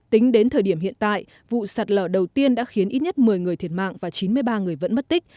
tính đến thời điểm hiện tại vụ sạt lở đầu tiên đã khiến ít nhất một mươi người thiệt mạng và chín mươi ba người vẫn mất tích